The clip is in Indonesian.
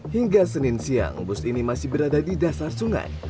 hingga senin siang bus ini masih berada di dasar sungai